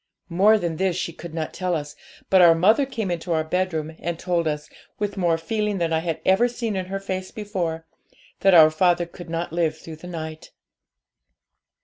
More than this she could not tell us, but our mother came into our bedroom, and told us, with more feeling than I had ever seen in her face before, that our father could not live through the night.